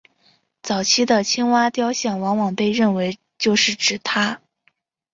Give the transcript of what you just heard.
早期的青蛙雕像往往被认为就是指她。